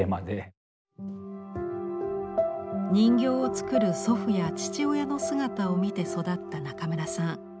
人形を作る祖父や父親の姿を見て育った中村さん。